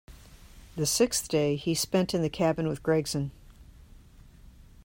The sixth day he spent in the cabin with Gregson.